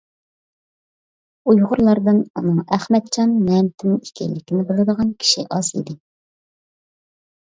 ئۇيغۇرلاردىن ئۇنىڭ ئەخمەتجان مەمتىمىن ئىكەنلىكىنى بىلىدىغان كىشى ئاز ئىدى.